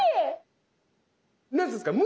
何て言うんですか。